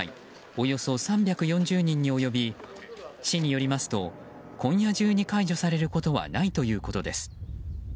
およそ３４０人に及び市によりますと今夜中に解除されることはないということです。